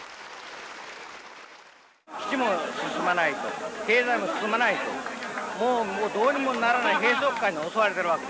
基地も進まないと経済も進まないともうどうにもならない閉塞感に襲われているわけです。